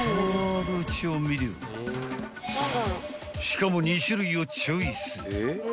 ［しかも２種類をチョイス］